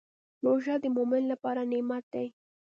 روژه د مؤمن لپاره نعمت دی.